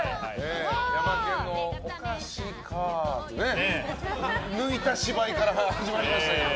ヤマケンのお菓子かっていう抜いた芝居から始まりましたけど。